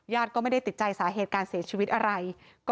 ก็ไม่ได้ติดใจสาเหตุการเสียชีวิตอะไร